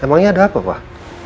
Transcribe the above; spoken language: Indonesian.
emangnya ada apa pak